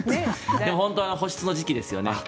本当は保湿の時期ですよね。